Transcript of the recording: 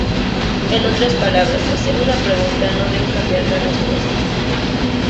En otras palabras, "hacer una pregunta no debe cambiar la respuesta".